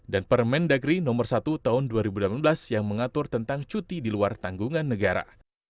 dan permendagri nomor satu tahun dua ribu delapan belas yang mengatur tentang cuti di luar tanggungan negara